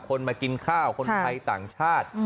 มากินข้าวคนไทยต่างชาติ